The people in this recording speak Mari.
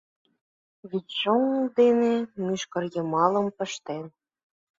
Вӱдшоҥ дене мӱшкырйымалым пыштен